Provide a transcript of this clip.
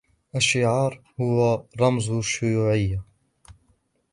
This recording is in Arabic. الشعار ☭ هو رمز الشيوعية.